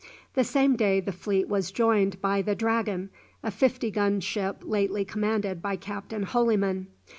The same day the fleet was joined by the "Dragon," a fifty gun ship lately commanded by Captain Holyman.